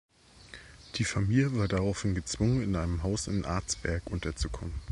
Die Familie war daraufhin gezwungen, in einem Haus in Arzberg unterzukommen.